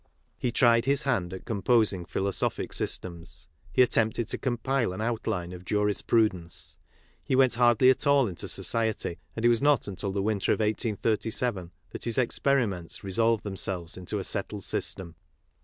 He tried his hand at composing philo sophic systems. He attempted to compile an outline of jurisprudence. He went hardly at all into society, and it was not until the winter of 1837 that his experiments resolved themselves into a settled system.